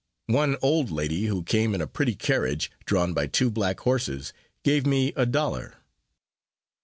One old lady, who came in a pretty carriage, drawn by two black horses, gave me a dollar.